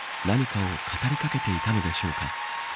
何かを語り掛けていたのでしょうか。